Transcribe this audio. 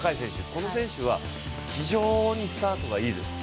この選手は非常にスタートがいいです。